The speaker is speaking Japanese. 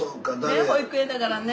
ねえ保育園だからね。